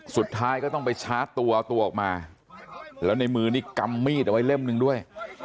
สุดท้ายก็ต้องไปชาร์จตัวเอาตัวออกมาแล้วในมือนี่กำมีดเอาไว้เล่มหนึ่งด้วย